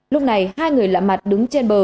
lúc này hai người lạ mặt đứng trên bờ